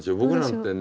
僕なんてね